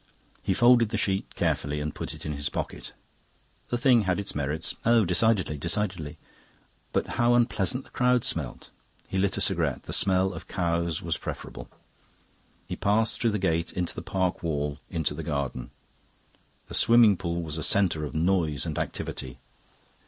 He folded the sheet carefully and put it in his pocket. The thing had its merits. Oh, decidedly, decidedly! But how unpleasant the crowd smelt! He lit a cigarette. The smell of cows was preferable. He passed through the gate in the park wall into the garden. The swimming pool was a centre of noise and activity.